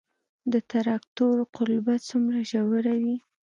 د تراکتور قلبه څومره ژوره وي؟